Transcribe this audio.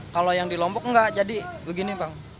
kalau yang di lombok enggak jadi begini bang